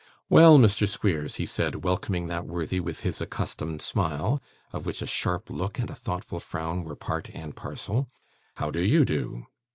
'Well, Mr. Squeers,' he said, welcoming that worthy with his accustomed smile, of which a sharp look and a thoughtful frown were part and parcel: 'how do YOU do?